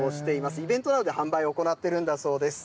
イベントなどで販売を行っているんだそうです。